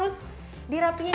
udah banyak lagi ya